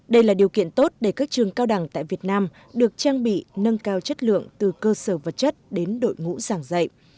đây là điều kiện tốt để các trường cao đẳng tại việt nam được trang bị nâng cao chất lượng từ cơ sở vật chất đến đội ngũ giảng dạy